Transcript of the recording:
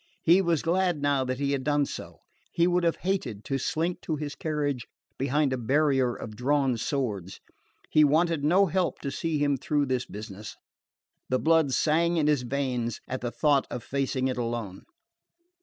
He was glad now that he had done so. He would have hated to slink to his carriage behind a barrier of drawn swords. He wanted no help to see him through this business. The blood sang in his veins at the thought of facing it alone.